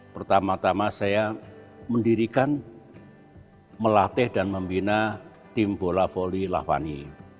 pertama tama saya mendirikan melatih dan membina tim bola volley lavani